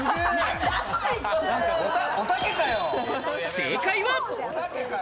正解は。